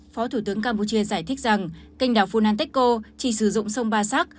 phó thủ tướng campuchia giải thích rằng kênh đảo funanteko chỉ sử dụng sông ba sắc